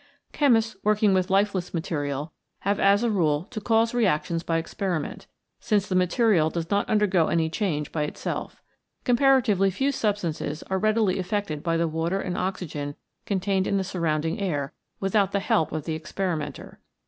Chemists working with lifeless material have as a rule to cause reactions by experiment, since the material does not undergo any change by itself. Comparatively few substances are readily affected by the water and oxygen contained in the surrounding air, without the help of the experimenter.